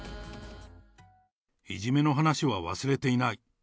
いじめの話は忘れていない。